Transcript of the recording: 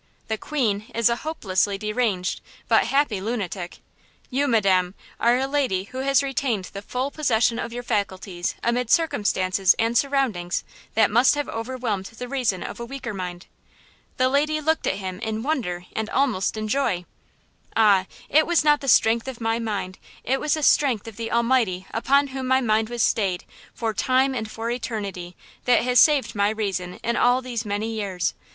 The 'queen' is a hopelessly deranged, but happy lunatic. You, Madam, are a lady who has retained the full possession of your faculties amid circumstances and surroundings that must have overwhelmed the reason of a weaker mind." The lady looked at him in wonder and almost in joy. "Ah! it was not the strength of my mind; it was the strength of the Almighty upon whom my mind was stayed, for time and for eternity, that has saved my reason in all these many years!